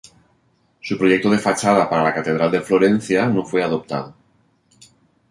Su proyecto de fachada para la catedral de Florencia no fue adoptado.